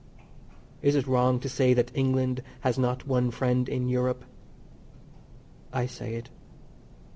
Is it wrong to say that England has not one friend in Europe? I say it.